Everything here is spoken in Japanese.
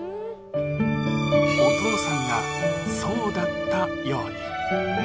お父さんがそうだったように。